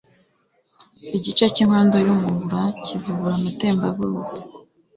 igice cy'inkondo y'umura kivubura amatembabuzi